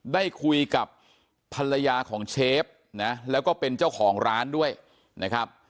ได้คุยกับภรรยาของเชฟนะแล้วก็เป็นเจ้าของร้านด้วยนะครับ